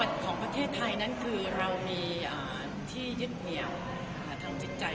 ของประเทศไทยนั้นคือเรามีที่ยึดเหนียวทางจิตใจ